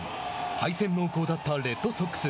敗戦濃厚だったレッドソックス。